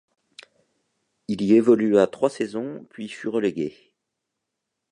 Il y évolua trois saisons puis fut relégué.